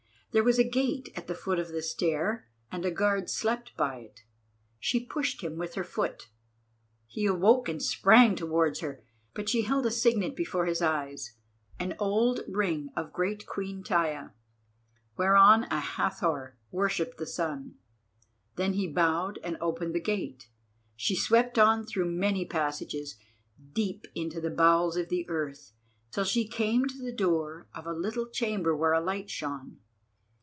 There was a gate at the foot of the stair, and a guard slept by it. She pushed him with her foot. He awoke and sprang towards her, but she held a signet before his eyes, an old ring of great Queen Taia, whereon a Hathor worshipped the sun. Then he bowed and opened the gate. She swept on through many passages, deep into the bowels of the earth, till she came to the door of a little chamber where a light shone.